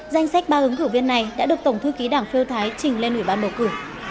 danh sách ba ứng cử viên này đã được tổng thư ký đảng pheo thái trình lên ủy ban bầu cử